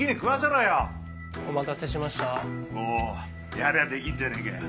やりゃできんじゃねえかよ。